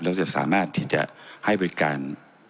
จะสามารถที่จะให้บริการ